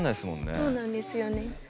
そうなんですよね。